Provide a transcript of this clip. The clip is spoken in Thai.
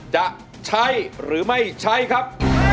จะใช้หรือไม่ใช้ครับ